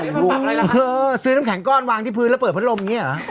เออซื้อน้ำแข็งก้อนวางที่พื้นแล้วเปิดพัดลมอย่างนี้เหรอ